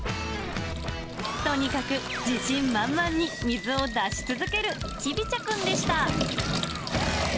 とにかく、自信満々に水を出し続けるチビ茶くんでした。